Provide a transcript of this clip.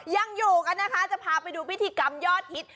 ยังอยู่กันนะคะจะพาไปดูพิธีกรรมยอดฮิต